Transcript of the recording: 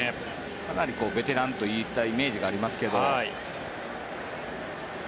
かなりベテランというイメージがありますけど。